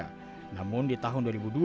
sebagai devisa bagi pemerintah republik indonesia